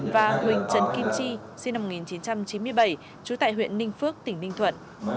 và huỳnh trấn kim chi sinh năm một nghìn chín trăm chín mươi bảy chú tệ huyện ninh phước tỉnh ninh thuận